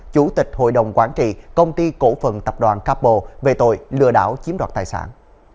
chủ tịch hội đồng quản trị công ty cổ phần tập đoàn capo về tội lừa đảo chiếm đoạt tài sản